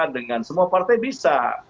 dengan semua partai bisa